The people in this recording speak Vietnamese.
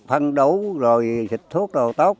phân đủ rồi dịch thuốc rồi tốt